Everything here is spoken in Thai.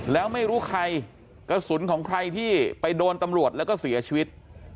แล้วไม่รู้ใครกระสุนของใครที่ไปโดนตำรวจแล้วก็เสียชีวิต